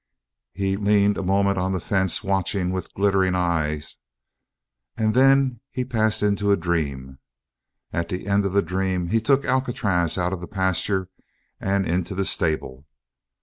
He leaned a moment on the fence watching with glittering eyes and then he passed into a dream. At the end of the dream he took Alcatraz out of the pasture and into the stable.